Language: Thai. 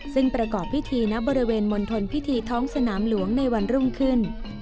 ซึ่งประกอบพิธีณบริเวณมณฑลพิธีท้องสนามหลวงในวันรุ่งขึ้น